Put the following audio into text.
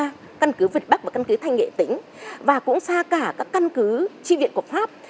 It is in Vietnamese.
các căn cứ việt bắc và căn cứ thanh nghệ tĩnh và cũng xa cả các căn cứ tri viện của pháp